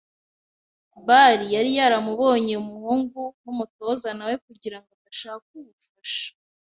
bar. Yari yaramubonye umuhungu nkumutoza nawe kugirango adashaka ubufasha